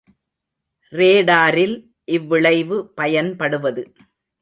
ரேடாரில் இவ்விளைவு பயன்படுவது.